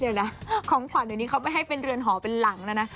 เดี๋ยวนะของขวัญเดี๋ยวนี้เขาไม่ให้เป็นเรือนหอเป็นหลังแล้วนะ